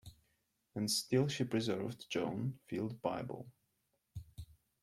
And still she preserved John Field’s Bible.